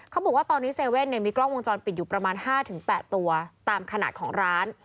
เขาบอกว่าตอนนี้เซเว่นมีกล้องวงจรปิดอยู่ประมาณ๕๘ตัวตามขนาดของร้าน